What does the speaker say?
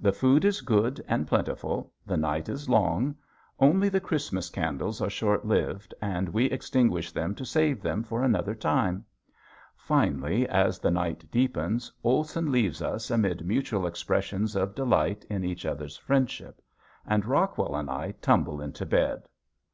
The food is good and plentiful, the night is long, only the Christmas candles are short lived and we extinguish them to save them for another time. Finally as the night deepens Olson leaves us amid mutual expressions of delight in each other's friendship, and Rockwell and I tumble into bed.